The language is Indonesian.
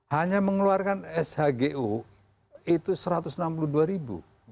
hanya mengeluarkan shgu itu satu ratus enam puluh dua ribu